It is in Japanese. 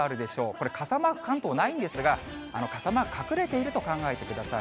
これ、傘マーク、関東ないんですが、傘マーク、隠れていると考えてください。